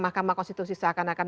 mahkamah konstitusi seakan akan